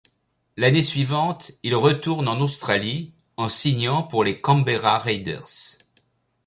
L'année suivante, il retourne en Australie en signant pour les Canberra Raiders.